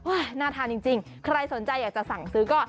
โอ้ยน่าทานจริงใครสนใจเเผยจะสั่งซื้อก็